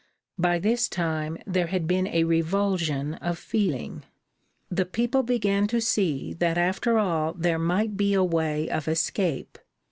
By this time there had been a revulsion of feeling. The people began to see that after all there might be a way of escape.